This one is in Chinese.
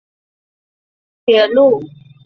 多称其为大阪单轨铁路。